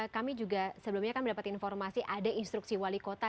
kami juga sebelumnya kan mendapat informasi ada instruksi wali kota